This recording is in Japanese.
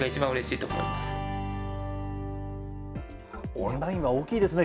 オンラインは大きいですね。